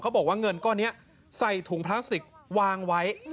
บอกว่าเงินก้อนนี้ใส่ถุงพลาสติกวางไว้